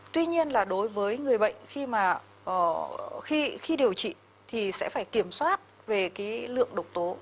tuy nhiên là đối với người bệnh khi mà khi điều trị thì sẽ phải kiểm soát về cái lượng độc tố